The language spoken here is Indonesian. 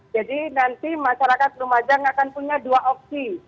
jadi nanti masyarakat rumajang akan punya dua opsi